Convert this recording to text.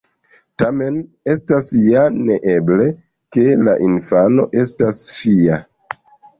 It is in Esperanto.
Tamen, estas ja neeble, ke la infano estas ŝia.